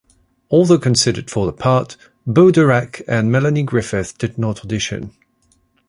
Although considered for the part, Bo Derek and Melanie Griffith did not audition.